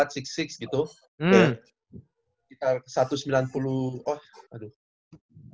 sekitar satu sembilan puluh oh aduh